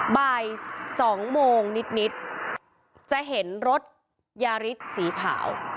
บ่าย๒โมงนิดจะเห็นรถยาริสสีขาว